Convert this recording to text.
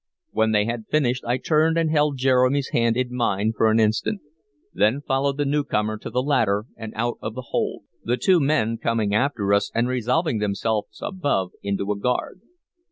When they had finished I turned and held Jeremy's hand in mine for an instant, then followed the new comer to the ladder and out of the hold; the two men coming after us, and resolving themselves above into a guard.